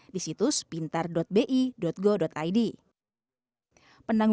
di situs pintar com id penanggung jawab lalu mengumpulkan data ktp nomor telepon dan nomor